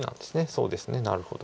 そうですねなるほど。